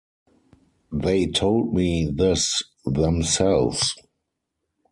They told me this themselves.